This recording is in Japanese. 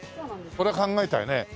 こりゃ考えたよね。